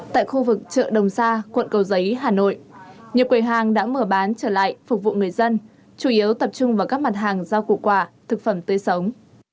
tại khu vực chợ đồng sa quận cầu giấy hà nội nhiều quầy hàng đã mở bán trở lại phục vụ người dân chủ yếu tập trung vào các mặt hàng rau củ quả thực phẩm tươi sống